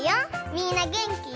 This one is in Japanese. みんなげんき？